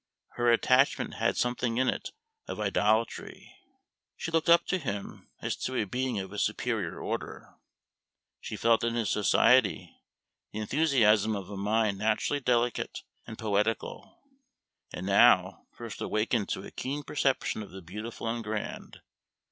Her attachment had something in it of idolatry. She looked up to him as to a being of a superior order. She felt in his society the enthusiasm of a mind naturally delicate and poetical, and now first awakened to a keen perception of the beautiful and grand.